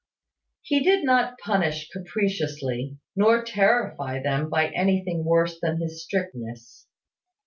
He did not punish capriciously, nor terrify them by anything worse than his strictness.